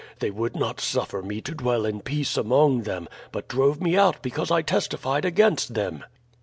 They would not suffer me to dwell in peace among them, but drove me out because I testified against them."